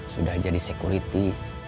sudah jadi security